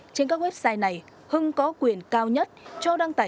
trên các website này hưng có quyền cao nhất cho đăng tải